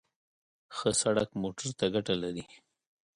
ښه سړک موټر ته ګټه لري.